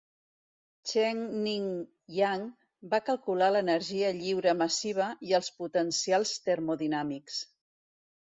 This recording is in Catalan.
Chen-Ning Yang va calcular l'energia lliure massiva i els potencials termodinàmics.